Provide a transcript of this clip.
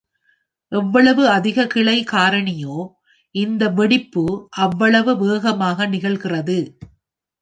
எவ்வளவு அதிக கிளை காரணி யோ, இந்த "வெடிப்பு" அவ்வளவு வேகமாக நிகழ்கிறது.